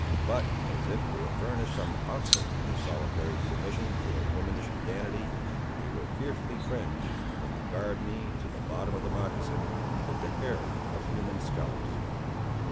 But as if to furnish some offset to this solitary submission to a womanish vanity, they were fearfully fringed, from the gartered knee to the bottom of the moccasin, with the hair of human scalps.